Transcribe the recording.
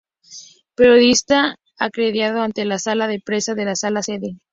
Periodista acreditado ante la Sala de prensa de la Santa Sede.